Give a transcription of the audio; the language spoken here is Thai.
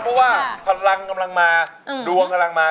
เพราะว่าพลังกำลังมาดวงกำลังมา